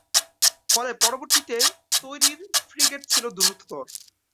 ফলে পরবর্তীতে তৈরি র ফ্রিগেট ছিল দ্রুততর।